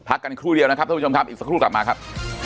กันครู่เดียวนะครับท่านผู้ชมครับอีกสักครู่กลับมาครับ